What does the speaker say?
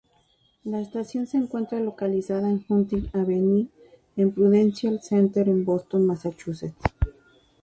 La estación se encuentra localizada en Huntington Avenue en Prudential Center en Boston, Massachusetts.